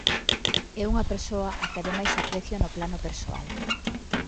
É unha persoa á que ademais aprecio no plano persoal.